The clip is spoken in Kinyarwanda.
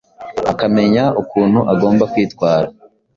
akamenya ukuntu agomba kwitwara